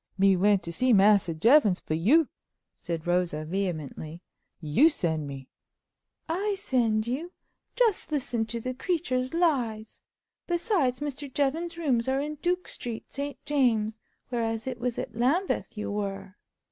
"Me went to see Massa Jevons for you," said Rosa vehemently; "you send me." "I send you! Just listen to the creature's lies! Besides, Mr. Jevons's rooms are in Duke Street, St James's, whereas it was at Lambeth you were."